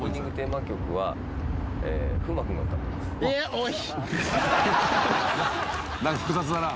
おい。